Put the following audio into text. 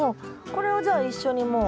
これをじゃあ一緒にもう。